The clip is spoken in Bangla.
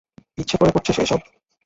ইচ্ছে করে করছে সে এসব?